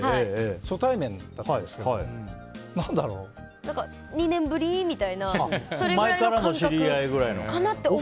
初対面だったんですけど２年ぶりみたいなそれくらいの感覚かなって思うくらい。